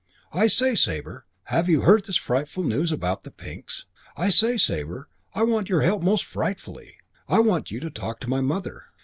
"I say, Sabre, have you heard this frightful news about the Pinks? I say, Sabre, I want your help most frightfully. I want you to talk to my mother.